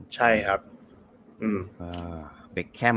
ใช่ครับ